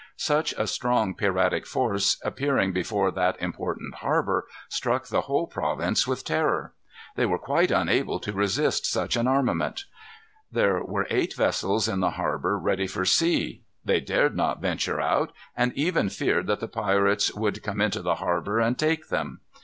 Such a strong piratic force appearing before that important harbor, struck the whole province with terror. They were quite unable to resist such an armament. There were eight vessels in the harbor ready for sea. They dared not venture out, and even feared that the pirates would come into the harbor and take them.